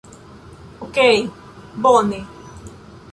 Okej bone...